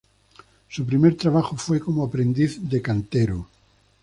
Su primer trabajo fue como aprendiz de cantero.